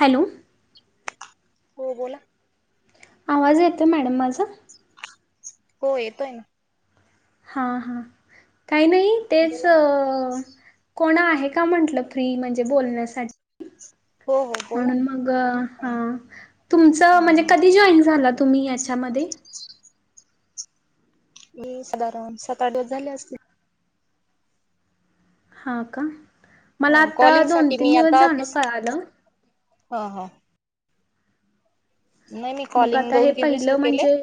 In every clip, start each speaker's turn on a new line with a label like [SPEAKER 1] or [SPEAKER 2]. [SPEAKER 1] Hello
[SPEAKER 2] हो बोला
[SPEAKER 1] आवाज येतो मॅडम माझा
[SPEAKER 2] हो येतोय ना
[SPEAKER 1] हा हा काही नाही तेच
[SPEAKER 2] बोला
[SPEAKER 1] अ कोण आहे का म्हंटलं फ्री म्हणजे बोलण्यासाठी
[SPEAKER 2] हो हो बोला
[SPEAKER 1] म्हणून
[SPEAKER 2] ना
[SPEAKER 1] मग हा तुमचं
[SPEAKER 2] ह
[SPEAKER 1] म्हणजे
[SPEAKER 2] ह
[SPEAKER 1] कधी जॉईन झाला तुम्ही याच्यामध्ये
[SPEAKER 2] साधारण सात आठ वाज झाले असते
[SPEAKER 1] हा का मला
[SPEAKER 2] ह
[SPEAKER 1] आता
[SPEAKER 2] कॉलिंग
[SPEAKER 1] दोन
[SPEAKER 2] साठी
[SPEAKER 1] तीन
[SPEAKER 2] मी
[SPEAKER 1] दिवस
[SPEAKER 2] आता
[SPEAKER 1] जाणं
[SPEAKER 2] तीस
[SPEAKER 1] का आलं
[SPEAKER 2] ह ह नाही मी
[SPEAKER 1] मग
[SPEAKER 2] कॉलिंग
[SPEAKER 1] आता हे
[SPEAKER 2] दोन तीन
[SPEAKER 1] पहिलं
[SPEAKER 2] रिसीव्ह केले
[SPEAKER 1] म्हणजे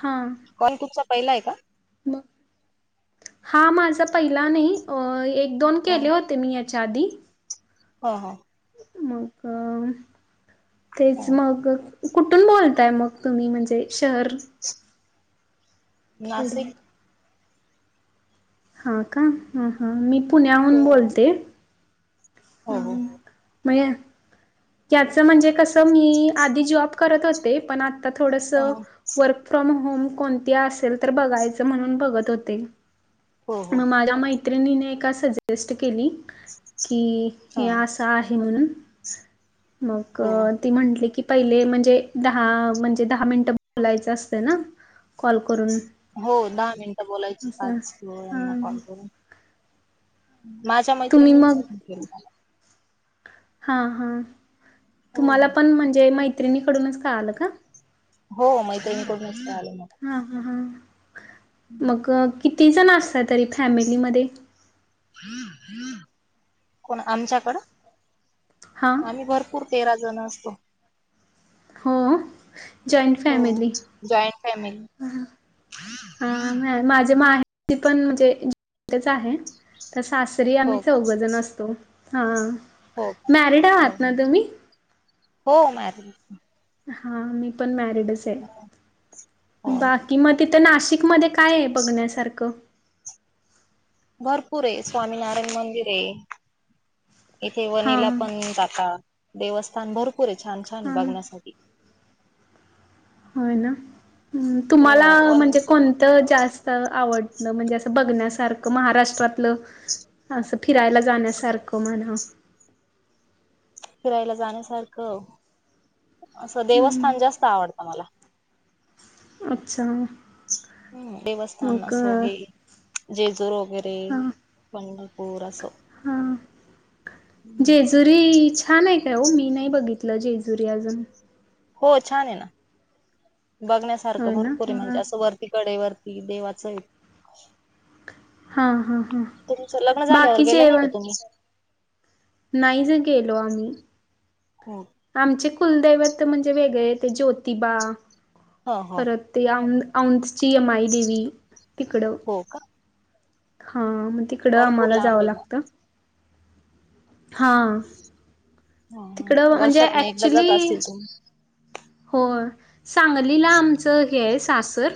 [SPEAKER 1] हां
[SPEAKER 2] कॉल कुठचा पहिलाय का
[SPEAKER 1] मग हा माझा पहिला नाही एक दोन केले होते मी च्यादी
[SPEAKER 2] हो हो
[SPEAKER 1] मग
[SPEAKER 2] ह
[SPEAKER 1] तेच मग कुठून बोलताय मग तुम्ही म्हणजे शहर खेड
[SPEAKER 2] नाशिक
[SPEAKER 1] हा का ह हा मी
[SPEAKER 2] हो
[SPEAKER 1] पुण्याहून बोलते
[SPEAKER 2] हो
[SPEAKER 1] हम
[SPEAKER 2] हो
[SPEAKER 1] मगे याच म्हणजे कसं मी आधी जॉब करत होते पण आता थोडस
[SPEAKER 2] ह
[SPEAKER 1] वर्क फ्रॉम होम कोणती असेल तर बघायचं म्हणून बघत होते
[SPEAKER 2] हो हो
[SPEAKER 1] मग माझ्या मैत्रिणीने ए सजेस्ट केली
[SPEAKER 2] ह
[SPEAKER 1] की अस आहे म्हणून मग
[SPEAKER 2] हो
[SPEAKER 1] ती म्हंटली की पहिले म्हणजे दहा म्हणजे दहा मिनिट बोलायचं असत ना कॉल करून
[SPEAKER 2] हो दहा मिनिटं बोलायची
[SPEAKER 1] असं
[SPEAKER 2] पाच क यांना
[SPEAKER 1] हां
[SPEAKER 2] कॉल करून माझ्या
[SPEAKER 1] तुम्ही
[SPEAKER 2] मैत्रिणीच
[SPEAKER 1] मग
[SPEAKER 2] केलं मला
[SPEAKER 1] हा हा
[SPEAKER 2] हो
[SPEAKER 1] तुम्हाला पण म्हणजे मैत्रिणीकडूनच का आलं का
[SPEAKER 2] हो मैत्रिणीकडूनचलं मग
[SPEAKER 1] हा ह ह मग किती जण असत तरी फॅमिलीमध्ये
[SPEAKER 2] कोण
[SPEAKER 1] हा
[SPEAKER 2] आमच्याकडं आम्ही भरपूर पूर तेरा जण असतो
[SPEAKER 1] हो जॉइंट
[SPEAKER 2] हो
[SPEAKER 1] फॅमिली
[SPEAKER 2] जॉईंट फॅमिली
[SPEAKER 1] हा माझे माहे पण म्हणजेच आहे तर सासरी आम्ही
[SPEAKER 2] हो का
[SPEAKER 1] चौघजण असतो हा
[SPEAKER 2] हो
[SPEAKER 1] मॅरिड
[SPEAKER 2] हो
[SPEAKER 1] आहात ना
[SPEAKER 2] हो
[SPEAKER 1] तुम्ही?
[SPEAKER 2] हो म
[SPEAKER 1] हा मी पण मॅरिडच आहे
[SPEAKER 2] हो ना.
[SPEAKER 1] बाकी मग तिथं नाशिक म काय आहे बघण्यासारखं
[SPEAKER 2] भरपूर आहे स्वामीनारायण मंदिर आहे इथे
[SPEAKER 1] हा
[SPEAKER 2] वनीला पण जाता देवस्थान भरपूर पुरे छान छान
[SPEAKER 1] हा.
[SPEAKER 2] बघण्यासाठी
[SPEAKER 1] होय ना
[SPEAKER 2] हो
[SPEAKER 1] तुम्हाला म्हणजे
[SPEAKER 2] वणीच
[SPEAKER 1] कोण. जास्त आवडलं म्हणजे असं बघण्यासारखं महाराष्ट्रातलं असं फिरायला जाण्यासारखं म्हणा.
[SPEAKER 2] फिरायला जाण्यासारखं असं
[SPEAKER 1] हम्म
[SPEAKER 2] देवस्थानं जास्त आवडतं मला
[SPEAKER 1] अच्छा.
[SPEAKER 2] हम्म देवस्थान
[SPEAKER 1] मग
[SPEAKER 2] असो हे जेजुरी वगैरे
[SPEAKER 1] हा
[SPEAKER 2] पंढरपूर असो
[SPEAKER 1] हा जी जेजुरी छान आहे काय हो मी नाही बघितलं जेजुरी अजून
[SPEAKER 2] हो छान आहे ना बघण्यासारखं
[SPEAKER 1] होय ना
[SPEAKER 2] भरपूर आहे म्हणजे
[SPEAKER 1] हा
[SPEAKER 2] असं वरती कडे वरती कि देवाचं
[SPEAKER 1] हा हा हा
[SPEAKER 2] तुमचं लग्न झाल्यावर
[SPEAKER 1] बाकी
[SPEAKER 2] गेलं नाही.
[SPEAKER 1] जेवण
[SPEAKER 2] तुम्ही
[SPEAKER 1] नाही गेलो आम्ही.
[SPEAKER 2] होम,
[SPEAKER 1] आमचे कुलदैवत म्हणजे वेगळे ते ज्योतिबा
[SPEAKER 2] ह ह
[SPEAKER 1] परत आमची माई देवी तिकडं
[SPEAKER 2] हो का
[SPEAKER 1] हां मग ते तिकडं
[SPEAKER 2] भरपूर
[SPEAKER 1] आम्हाला
[SPEAKER 2] लांब
[SPEAKER 1] जावं
[SPEAKER 2] आहे मग
[SPEAKER 1] लागतं हा तिकडं
[SPEAKER 2] ह
[SPEAKER 1] म्हणजे
[SPEAKER 2] वर्षातन एकदा जात
[SPEAKER 1] ऍक्चुली.
[SPEAKER 2] असतील तुम्ही
[SPEAKER 1] हो सांगलीला आमचं हे सासर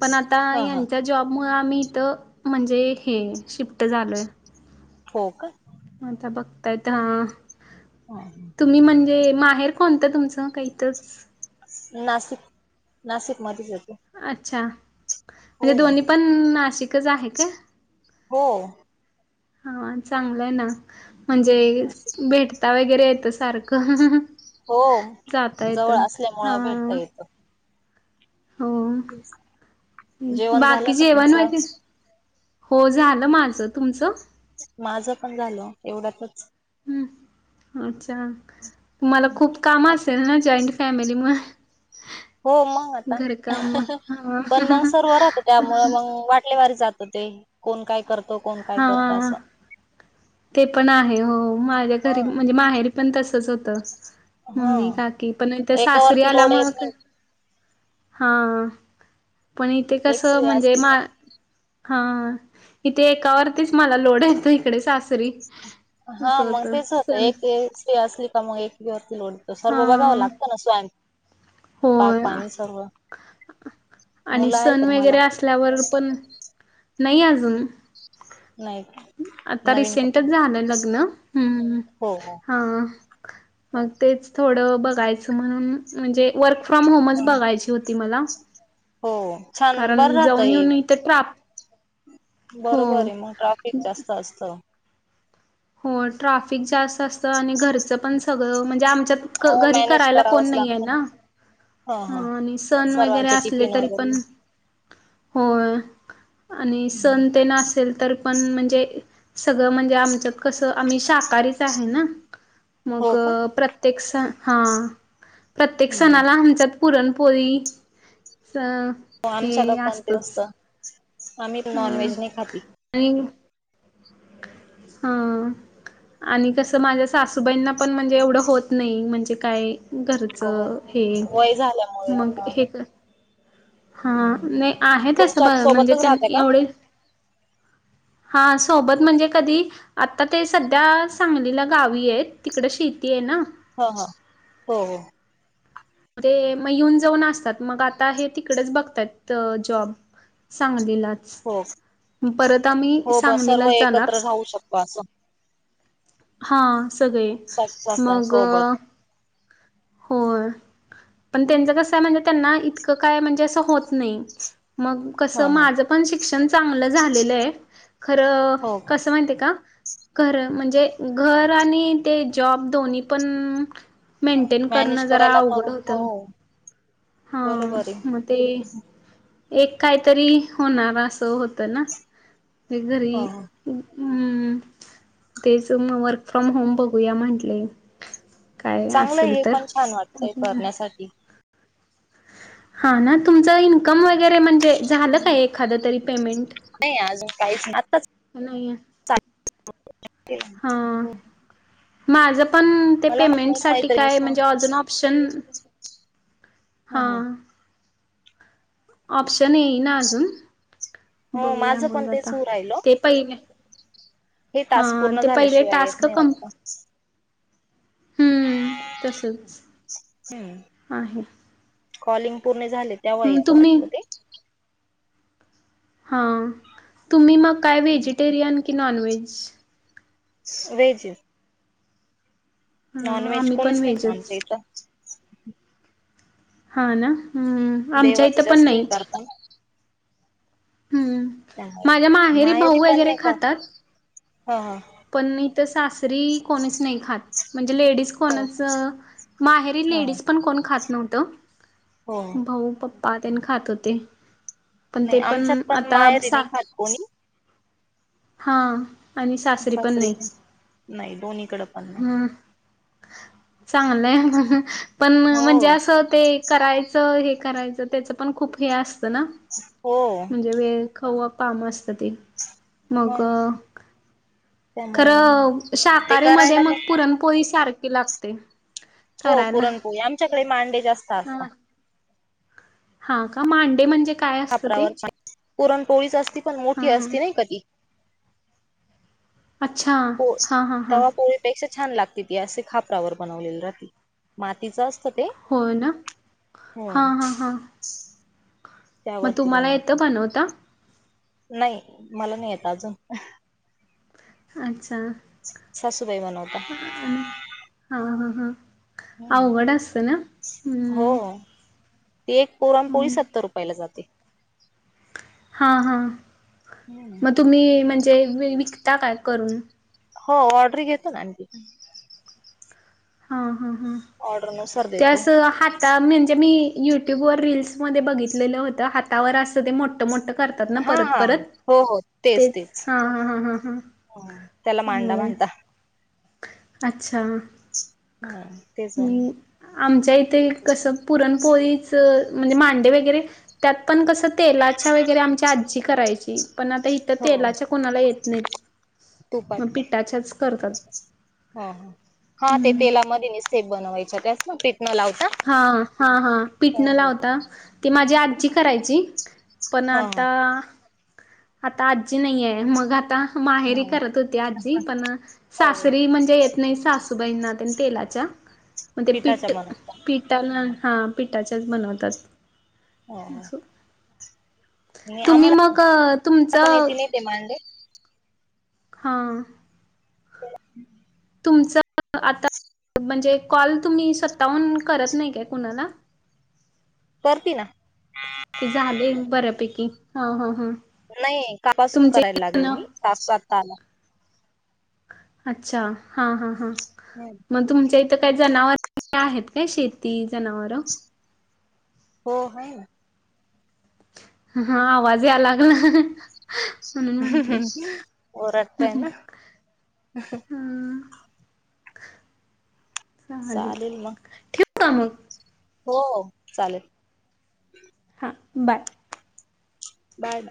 [SPEAKER 1] पण
[SPEAKER 2] ह ह
[SPEAKER 1] यांचा जॉब मुळे आम्ही इथं म्हणजे हे शिफ्ट झालोय
[SPEAKER 2] हो का.
[SPEAKER 1] आता बघतायतं ह.
[SPEAKER 2] ह. ह.
[SPEAKER 1] तुम्ही म्हणजे माहेर कोणतं तुमचं काय इथंच
[SPEAKER 2] नाशिक नाशिक मध्येचं येतो.
[SPEAKER 1] अच्छा म्हणजे दोन्ही पण नाशिकचं आहे का.
[SPEAKER 2] हो.
[SPEAKER 1] हा चांगलंय ना म्हणजे
[SPEAKER 2] नाशिक
[SPEAKER 1] भेटता वगैरे येतं सारखं.
[SPEAKER 2] हो
[SPEAKER 1] जाता
[SPEAKER 2] जवळ
[SPEAKER 1] येतं हा
[SPEAKER 2] असल्यामुळं भेटता येतं
[SPEAKER 1] हो
[SPEAKER 2] जेवण झालं
[SPEAKER 1] बाकी
[SPEAKER 2] का
[SPEAKER 1] जेवण
[SPEAKER 2] तुमचं
[SPEAKER 1] वगैरे. हो झालं माझं तुमचं.
[SPEAKER 2] माझं पण झालं एवढ्यातचं.
[SPEAKER 1] हम्म अच्छा. त मला
[SPEAKER 2] हं.
[SPEAKER 1] खूप काम
[SPEAKER 2] आता
[SPEAKER 1] असेल ना जॉईंट फॅमिलीमुळे
[SPEAKER 2] हो मग आता पण मग
[SPEAKER 1] हा
[SPEAKER 2] सर्व राहत त्यामुळे मगं वाट कोणत्या वारी जात होते ते कोण काय करतो कोण काय करतं
[SPEAKER 1] हा
[SPEAKER 2] असं.
[SPEAKER 1] ते पण आहे हो माझ्या घरी म्हणजे
[SPEAKER 2] ह
[SPEAKER 1] माहेरी पण तसचं होतं. मम्मी
[SPEAKER 2] ह
[SPEAKER 1] काकी पण त्या सासरी
[SPEAKER 2] एकावरती
[SPEAKER 1] आल्या
[SPEAKER 2] लोड येत
[SPEAKER 1] मगं.
[SPEAKER 2] नाही
[SPEAKER 1] हा पण इथे कस
[SPEAKER 2] एक्सरे
[SPEAKER 1] म्हणजे
[SPEAKER 2] असली
[SPEAKER 1] माहेरी हा इथे एकावरतीच मला लोड येतो इकडे सासरी.
[SPEAKER 2] हा
[SPEAKER 1] असं
[SPEAKER 2] मग
[SPEAKER 1] होत
[SPEAKER 2] तेच होतं
[SPEAKER 1] सण
[SPEAKER 2] एक स्त्री असली का मग एकवरती लोड देतो सर्व
[SPEAKER 1] हा
[SPEAKER 2] बघावं लागतं ना स्वयंपाक स्वयंपाक
[SPEAKER 1] होय
[SPEAKER 2] पाणी सर्व
[SPEAKER 1] आणि
[SPEAKER 2] मुलं आहेत
[SPEAKER 1] सण
[SPEAKER 2] का तुम्हाला
[SPEAKER 1] वगैरे असल्यावर पण नाही अजून
[SPEAKER 2] नाही का?
[SPEAKER 1] आता
[SPEAKER 2] नवीन
[SPEAKER 1] रिसेंटच
[SPEAKER 2] कपडा
[SPEAKER 1] झालं लग्न ह.
[SPEAKER 2] हो हो
[SPEAKER 1] हा मग तेच थोड बघायच म्हणून म्हणजे वर् फ्रॉम होमच
[SPEAKER 2] हा.
[SPEAKER 1] बघायची होती मला
[SPEAKER 2] हो छान बरं
[SPEAKER 1] कारण
[SPEAKER 2] राहत
[SPEAKER 1] जाऊन
[SPEAKER 2] हे
[SPEAKER 1] येऊन इथ ट्राप हो
[SPEAKER 2] बरोबर आहे मग ट्राफिक जास्त असतं.
[SPEAKER 1] हो ट्राफिक जास्त असतं आणि घरचं पण सगळं म्हणजे आमच्यात
[SPEAKER 2] हो
[SPEAKER 1] घरी
[SPEAKER 2] मॅनेज
[SPEAKER 1] करायला कोण
[SPEAKER 2] करावंच
[SPEAKER 1] नाही आहे
[SPEAKER 2] लागतं
[SPEAKER 1] ना. ह आणि सण वगैरे
[SPEAKER 2] सर्वांचे
[SPEAKER 1] असले
[SPEAKER 2] टिफिन
[SPEAKER 1] तरी
[SPEAKER 2] वगैरे
[SPEAKER 1] पण हो आणि
[SPEAKER 2] हम्म.
[SPEAKER 1] सण ते न असेल तर पण म्हणजे सगळं म्हणजे आमच कसं आम्ही शाकाहारीच आहे ना. मग
[SPEAKER 2] हो का
[SPEAKER 1] प्रत्येक सण हा प्रत्येक
[SPEAKER 2] हम्म.
[SPEAKER 1] सणाला आमच्यात पुरणपोळी अ
[SPEAKER 2] आमच्याला पण तेव असत आम्ही
[SPEAKER 1] हं
[SPEAKER 2] नॉनव्हेज नाही खाती
[SPEAKER 1] आणि हा. आणि कसं माझ्या सासूबाईंना पण म्हणजे एवढं होत नाही म्हणजे काय?
[SPEAKER 2] हो
[SPEAKER 1] घरचं हे
[SPEAKER 2] वय झाल्यामुळे
[SPEAKER 1] मग
[SPEAKER 2] आता
[SPEAKER 1] हे. हा
[SPEAKER 2] हम्म.
[SPEAKER 1] नाही आहें तसें
[SPEAKER 2] तुमच्या सोबतच
[SPEAKER 1] त्यां
[SPEAKER 2] राहते का
[SPEAKER 1] एवढे हा सोबत म्हणजे कधी आता ते सध्या सांगलीला गावी आहेत तिकडं शेती आहे ना.
[SPEAKER 2] हा हा हो हो.
[SPEAKER 1] ते मग येऊन जाऊन असतात मग आता हे तिकडेच बघताय जॉब सांगलीलाचं
[SPEAKER 2] हो हो सर्व
[SPEAKER 1] जाणार.
[SPEAKER 2] एकत्र राहू शकतो असं.
[SPEAKER 1] हा सगळे.
[SPEAKER 2] स सोबत
[SPEAKER 1] हो पण त्यांच कस आहे म्हणजे त्यांना इतकं काय म्हणजे असं होत. नाही मग
[SPEAKER 2] ह
[SPEAKER 1] कस
[SPEAKER 2] ह
[SPEAKER 1] माझं पण शिक्षण चांगलं झालेलं आहे खरं
[SPEAKER 2] हो का
[SPEAKER 1] कसं माहिती का? र म्हणजे घर आणि ते जॉब दोन्ही पण मेंटेन
[SPEAKER 2] मॅनेज
[SPEAKER 1] करणं जरा
[SPEAKER 2] करायला तर
[SPEAKER 1] अवघड
[SPEAKER 2] हो
[SPEAKER 1] होतं. हा
[SPEAKER 2] बरोबर आहे
[SPEAKER 1] मग ते एक काहीतरी होणार असं होतं ना. हेगद र
[SPEAKER 2] ह
[SPEAKER 1] हम्म तेच वर्क फ्रॉम होम बघूया म्हटले.
[SPEAKER 2] चांगलंय हे पण छान वाटतंय करण्यासाठी
[SPEAKER 1] हा ना तुमचं इन्कम वगैरे म्हणजे झालं काय एखाद तरी पेमेंट
[SPEAKER 2] नाही अजून काहीच आताच.
[SPEAKER 1] प नाही.
[SPEAKER 2] [unintelligible]
[SPEAKER 1] ह माझं पण ते
[SPEAKER 2] मला म्हटलं
[SPEAKER 1] पेमेंटसाठी
[SPEAKER 2] मैत्रिणी
[SPEAKER 1] काय म्हणजे अजून ऑप्शन हां.
[SPEAKER 2] ह
[SPEAKER 1] ऑप्शन ये ना अजून
[SPEAKER 2] हो
[SPEAKER 1] बघूया
[SPEAKER 2] माझं पण
[SPEAKER 1] मग
[SPEAKER 2] तेच
[SPEAKER 1] आता
[SPEAKER 2] होऊ राहिल
[SPEAKER 1] ते. पहिले
[SPEAKER 2] हे
[SPEAKER 1] हा
[SPEAKER 2] टास्क पूर्ण
[SPEAKER 1] ते पहिले
[SPEAKER 2] झाल्याशिवाय येत
[SPEAKER 1] टास्क
[SPEAKER 2] नाही
[SPEAKER 1] कम
[SPEAKER 2] वाटत
[SPEAKER 1] हम्म तसच
[SPEAKER 2] हम्म
[SPEAKER 1] आहे.
[SPEAKER 2] कॉलिंग पूर्ण झाले तेव्हा
[SPEAKER 1] मग
[SPEAKER 2] येत
[SPEAKER 1] तुम्ही
[SPEAKER 2] वाटतं ते
[SPEAKER 1] हां तुम्ही मग काय व्हेजिटेरियन की नॉन व्हेज
[SPEAKER 2] वेज नॉन
[SPEAKER 1] हां
[SPEAKER 2] व्हेज
[SPEAKER 1] आम्ही पण
[SPEAKER 2] कोणीच नाही कामच्या
[SPEAKER 1] व्हेजच
[SPEAKER 2] इथं.
[SPEAKER 1] हा नाम् आमच्या इथं पण नाही.
[SPEAKER 2] ह.
[SPEAKER 1] हम्म माझ्या माहेरी भाऊ वगैरे खातात.
[SPEAKER 2] हा हा
[SPEAKER 1] पण इथं सासरी कोणीच नाही खात म्हणजे लेडीज
[SPEAKER 2] हो
[SPEAKER 1] कोणाच माहेरी
[SPEAKER 2] ह
[SPEAKER 1] लेडीज पण कोण खात नव्हतं
[SPEAKER 2] हो
[SPEAKER 1] भाऊ पप् पा खात होते पण
[SPEAKER 2] नाही
[SPEAKER 1] ते पण
[SPEAKER 2] आमच्यात
[SPEAKER 1] आता
[SPEAKER 2] माहेरी नाही खात कोणी
[SPEAKER 1] हा आणि
[SPEAKER 2] सासरी नाही नाही दोन्ही कडे पण नाही
[SPEAKER 1] हम्म. चांगलंय पण
[SPEAKER 2] हो
[SPEAKER 1] म्हणजे असं ते करायचं हे करायचं त्याच पण खूप हे असतं ना
[SPEAKER 2] हो
[SPEAKER 1] म्हणजे वेळ खव काम असत ते मग
[SPEAKER 2] त्यामुळे
[SPEAKER 1] खरं
[SPEAKER 2] ते
[SPEAKER 1] शाकाहारीमध्ये
[SPEAKER 2] करायला
[SPEAKER 1] मग
[SPEAKER 2] नाही
[SPEAKER 1] पुरणपोळी सारखी लागते
[SPEAKER 2] हो
[SPEAKER 1] करायला
[SPEAKER 2] पुरणपोळी आमच्याकडे मांडे जास्त
[SPEAKER 1] हा
[SPEAKER 2] असतात
[SPEAKER 1] हा का मांडे म्हणजे काय असतं ते
[SPEAKER 2] कापरावरछ पुरण टोळीच असती पण मोठी
[SPEAKER 1] हां हां
[SPEAKER 2] असती नाही कधी
[SPEAKER 1] अच्छा
[SPEAKER 2] हो
[SPEAKER 1] हां हां
[SPEAKER 2] त
[SPEAKER 1] हां
[SPEAKER 2] प ेक्षा छान लागते ती असे खापरावर बनवलेली राहते मातीच असत ते
[SPEAKER 1] होय ना
[SPEAKER 2] हो
[SPEAKER 1] हां हां हां.
[SPEAKER 2] [unintelligible]
[SPEAKER 1] मग
[SPEAKER 2] त्यावरती
[SPEAKER 1] तुम्हाला येतं
[SPEAKER 2] बनवतात
[SPEAKER 1] बनवता.
[SPEAKER 2] नाही मला नाही येत अजून
[SPEAKER 1] अच्छा.
[SPEAKER 2] सासूबाई म्हनवता
[SPEAKER 1] ह आणि हा हा हा
[SPEAKER 2] हम्म.
[SPEAKER 1] अवघड असतं ना्
[SPEAKER 2] ते एक पोराम पोळी सत्तर रुपयाला जाते
[SPEAKER 1] हा हा
[SPEAKER 2] हम्म.
[SPEAKER 1] मग तुम्ही म्हणजे विकता काय करून
[SPEAKER 2] हो ऑर्डर घेतो ना तिथ
[SPEAKER 1] हा हा हा
[SPEAKER 2] ऑर्डर नुसार देतो.
[SPEAKER 1] त्यास हात आता म्हणजे मी युट्यूब व रीलस मध्ये बघितलेलं होतं हातावर असं ते मोठ मोठं तात ना
[SPEAKER 2] हा
[SPEAKER 1] परत
[SPEAKER 2] हा
[SPEAKER 1] परत
[SPEAKER 2] हो हो
[SPEAKER 1] तेच हा ह ह ह ह
[SPEAKER 2] हो त्याला मांडा म्हणता
[SPEAKER 1] अच्छा
[SPEAKER 2] हम्म तेच बन
[SPEAKER 1] मी आमच्या इथे कसं पुरणपोळीच म्हणजे मांडे वगैरे त्यात पण कसं तेलाच्या वगैरे आमच्या आजी करायची पण आता इथं
[SPEAKER 2] हो
[SPEAKER 1] तेलाच्या कोणाला येत नाहीत मग पिठाच्याच करतात
[SPEAKER 2] ह ह हा ते
[SPEAKER 1] हम्म.
[SPEAKER 2] तेलामध्येने सेप बनवायचे त्यास ना पीठ न लावता
[SPEAKER 1] हा हा हा
[SPEAKER 2] हो
[SPEAKER 1] पिटनं
[SPEAKER 2] हो
[SPEAKER 1] लावता तेी माझी आजचीी करायची पण
[SPEAKER 2] हा
[SPEAKER 1] आता आता आजी नाहीये मग आता माहेरी
[SPEAKER 2] हा
[SPEAKER 1] करत होती आजी पण
[SPEAKER 2] हो
[SPEAKER 1] सासरी म्हणजे नाही सासूबाईंना त्यांनी तेलाच्या मग ते
[SPEAKER 2] पिठाच्या
[SPEAKER 1] पीठ
[SPEAKER 2] बनवता
[SPEAKER 1] पिठाला हा पिठाच्याच बनवतात
[SPEAKER 2] ह हा
[SPEAKER 1] असं तुम्ही मग तुमच
[SPEAKER 2] पण येती नाही ते मांडे
[SPEAKER 1] हां तुमचं आता म्हणजे कॉल तुम्ही सत्तावून करत नाही काय कुणाला
[SPEAKER 2] करती ना
[SPEAKER 1] की झाले बऱ्यापैकी ह ह ह
[SPEAKER 2] नाही कापासून करायला लागली मी सासातता आला
[SPEAKER 1] अच्छा हा हा हा
[SPEAKER 2] हम्म
[SPEAKER 1] मग तुमच्या इथं काय जनावर आहेत काय शेती जनावरं
[SPEAKER 2] हो आहे ना.
[SPEAKER 1] हा आवाज या लागला. म्हणून म्हंटले.
[SPEAKER 2] ह् ओरडताय ना.
[SPEAKER 1] ह.
[SPEAKER 2] चालेल मग.
[SPEAKER 1] ठेवू का मग
[SPEAKER 2] हो चालेल.
[SPEAKER 1] हां बाय.
[SPEAKER 2] बाय.